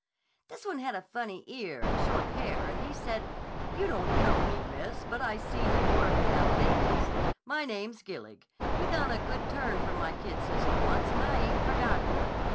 "This one had a funny ear and short hair and he said, 'You don't know me, miss. But I seen you workin' out at Andy's. My name's Gillig. You done a good turn for my kid sister once and I ain't forgot it.